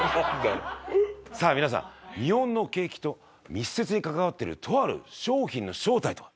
さあ皆さん日本の景気と密接に関わっているとある商品の正体とは？